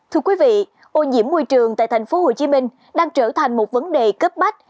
thưa quý vị ô nhiễm môi trường tại tp hcm đang trở thành một vấn đề cấp bách